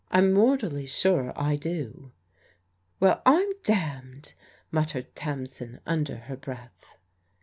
" I'm mortally sure I do." "Well, I'm d d!" muttered Tamsin under her breath.